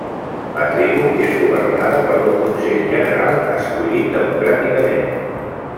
La tribu és governada per un consell general escollit democràticament.